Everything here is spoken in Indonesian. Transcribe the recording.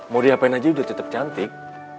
mau diapain aja udah tetap cantik